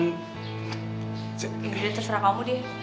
ya udah terserah kamu deh